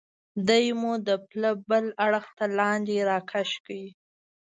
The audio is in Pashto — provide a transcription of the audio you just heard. دی مو د پله بل اړخ ته لاندې را کش کړ.